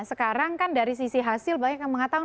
sekarang kan dari sisi hasilnya